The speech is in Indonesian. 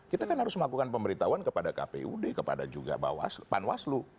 kita kan harus melakukan pemberitahuan kepada kpud kepada juga panwaslu